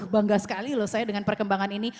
bangga sekali loh saya dengan perkembangan ini